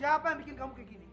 kamu pintar begitu menjadi orang